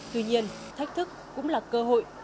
tuy nhiên thách thức cũng là cơ hội